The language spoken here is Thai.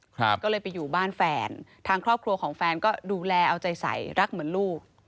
ก็เลยไปอยู่บ้านแฟนทางครอบครัวของแฟนก็ดูแลเอาใจใสรักเหมือนลูก